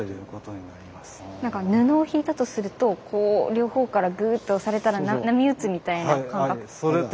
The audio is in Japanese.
布をひいたとするとこう両方からグーッと押されたら波打つみたいな感覚と一緒ってこと。